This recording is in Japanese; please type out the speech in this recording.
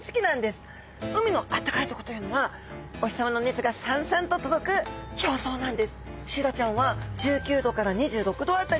海のあったかいとこというのはお日さまの熱がさんさんと届く表層なんです。